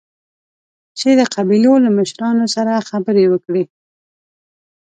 چې د قبيلو له مشرانو سره خبرې وکړي.